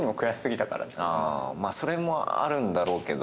それもあるんだろうけど。